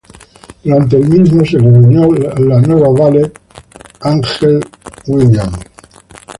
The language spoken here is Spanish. Durante el mismo, se les unió la nueva valet Angel Williams.